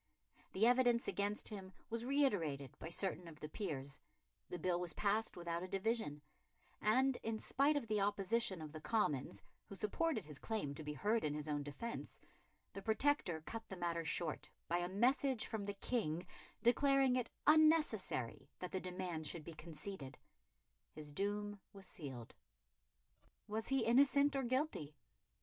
The evidence against him was reiterated by certain of the peers; the bill was passed without a division; and, in spite of the opposition of the Commons, who supported his claim to be heard in his own defence, the Protector cut the matter short by a message from the King declaring it unnecessary that the demand should be conceded. His doom was sealed. Was he innocent or guilty?